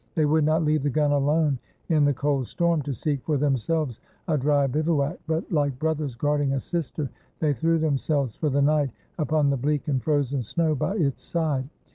They would not leave the gun alone in the cold storm, to seek for themselves a dry bivouac; but, like brothers guarding a sister, they threw themselves, for the night, upon the bleak and frozen snow by its side.